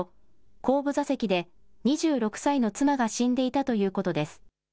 後部座席で２６歳の妻が死んでいたということです。